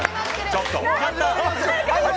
ちょっと。